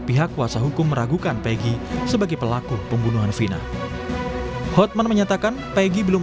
pihak kuasa hukum meragukan peggy sebagai pelaku pembunuhan vina hotman menyatakan pegg belum